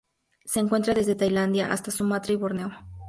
Se encuentra desde Tailandia hasta Sumatra y Borneo.